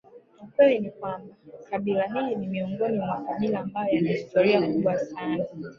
ukweli ni kwamba kabila hili ni miongoni mwa makabila ambayo yana historia kubwa sana